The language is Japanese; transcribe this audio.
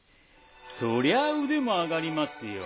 そりゃあ腕も上がりますよ。